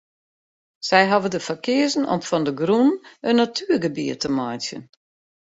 Sy hawwe der foar keazen om fan de grûn in natuergebiet te meitsjen.